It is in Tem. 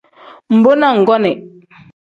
Mbo na nggonii.